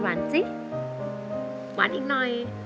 สิหวานอีกหน่อย